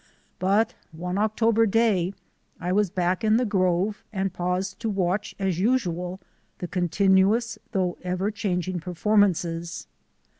But one October day I was back in the grove and paused to watch, as usual, the continuous though ever changing perform ances.